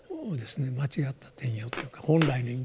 間違った転用というか本来の意味とは違うと。